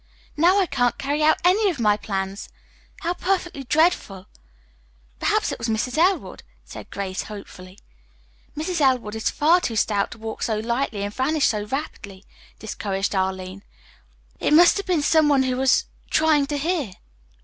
"Now I can't carry out any of my plans. How perfectly dreadful!" "Perhaps it was Mrs. Elwood," said Grace hopefully. "Mrs. Elwood is far too stout to walk so lightly and vanish so rapidly," discouraged Arline. "I it must have been some one who was trying to hear."